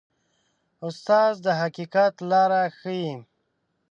استاد د حقیقت لاره ښيي.